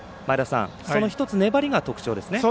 その１つ粘りが特徴ですね。